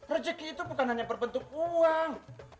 rezeki itu bukan hanya berbentuk uang